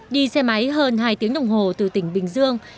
đi xe máy hơn hai tiếng đồng hồ từ tỉnh bình dương